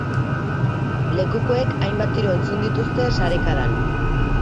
Lekukoek hainbat tiro entzun dituzte sarekadan.